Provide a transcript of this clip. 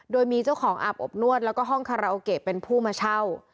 โดยมีเจ้าของอาบอบนวดแล้วก็ห้องคาราโอเกะเป็นผู้มาเช่า